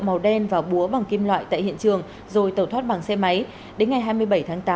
màu đen và búa bằng kim loại tại hiện trường rồi tẩu thoát bằng xe máy đến ngày hai mươi bảy tháng tám